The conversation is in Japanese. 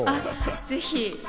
ぜひ。